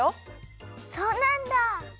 そうなんだ。